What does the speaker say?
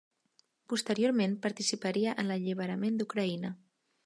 Posteriorment participaria en l'alliberament d'Ucraïna.